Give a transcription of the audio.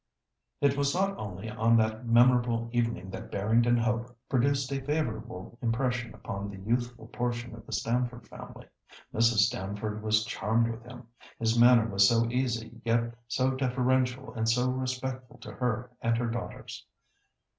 It was not only on that memorable evening that Barrington Hope produced a favourable impression upon the youthful portion of the Stamford family. Mrs. Stamford was charmed with him. His manner was so easy, yet so deferential and so respectful to her and her daughters.